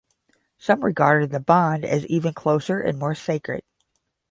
Some regarded the bond as even closer and more sacred.